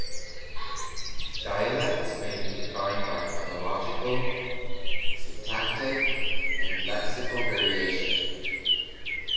Dialects may be defined by phonological, syntactic and lexical variation.